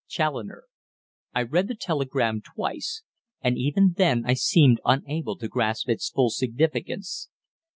CHALLONER." I read the telegram twice, and even then I seemed unable to grasp its full significance.